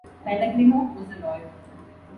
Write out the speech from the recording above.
Pellegrino was a lawyer.